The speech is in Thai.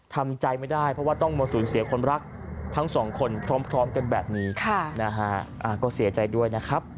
ทำใจไม่ได้เพราะว่าต้องบนสูญเสีย